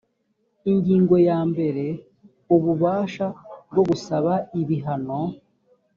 ingingo ya mbere ububasha bwo gusaba ibihano